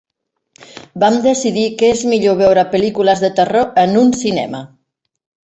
Vam decidir que és millor veure pel·lícules de terror en un cinema.